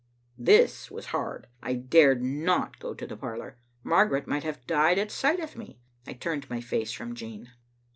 This was hard. I dared not go to the parlor. Margaret might have died at sight of me. I turned my face from Jean.